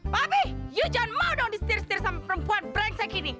papi you jangan mau dong disetir setir sama perempuan brengsek ini